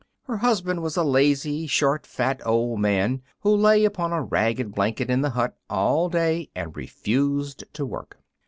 Her husband was a lazy, short, fat old man, who lay upon a ragged blanket in the hut all day and refused to work.